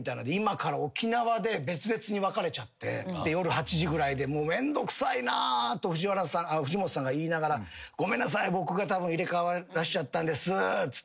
今から沖縄で別々に分かれちゃって夜８時ぐらいで「めんどくさいな」と藤本さんが言いながらごめんなさい僕がたぶん入れ替わらしちゃったんです。